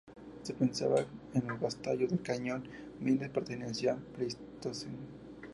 Se pensaba de los basaltos del cañón Miles pertenecían al pleistoceno.